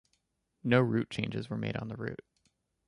No route changes were made on the route.